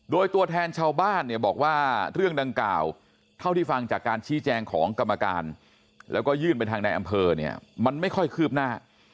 โดยตัวแทนชาวบ้านเนี่ยบอกว่าเรื่องดังกล่าวเท่าที่ฟังจากการชี้แจงของกรรมการแล้วก็ยื่นไปทางในอำเภอเนี่ยมันไม่ค่อยคืบหน้า